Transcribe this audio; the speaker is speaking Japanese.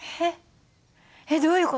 えっどういう事？